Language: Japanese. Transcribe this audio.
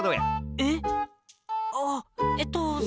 えっ！あっえっとその。